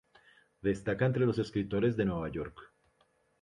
Destaca entre los escritores de Nueva York.